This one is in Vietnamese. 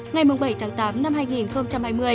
ngày bảy tháng tám năm hai nghìn hai mươi